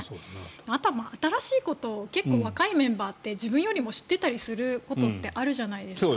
あとは新しいことを結構、若いメンバーって自分よりも知っていたりすることってあるじゃないですか。